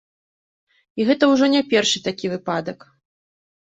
І гэта ўжо не першы такі выпадак.